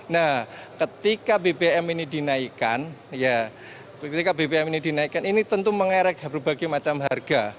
nah ketika bbm ini dinaikkan ya ketika bbm ini dinaikkan ini tentu mengerek berbagai macam harga